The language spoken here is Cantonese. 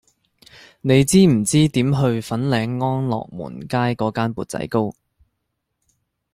你知唔知點去粉嶺安樂門街嗰間缽仔糕